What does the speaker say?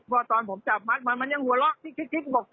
พอตอนผมจับมันมันยังหัวล๊อกคลิก